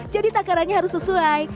jadi takarannya harus sesuai